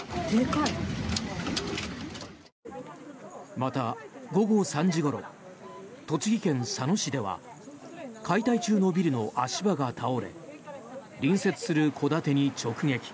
また、午後３時ごろ栃木県佐野市では解体中のビルの足場が倒れ隣接する戸建てに直撃。